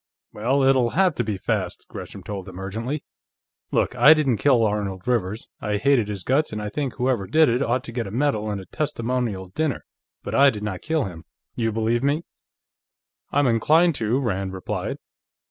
"Well, it'll have to be fast," Gresham told him urgently. "Look. I didn't kill Arnold Rivers. I hated his guts, and I think whoever did it ought to get a medal and a testimonial dinner, but I did not kill him. You believe me?" "I'm inclined to," Rand replied.